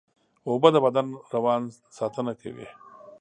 اوبه د بدن روان ساتنه کوي